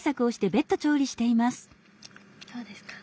どうですか？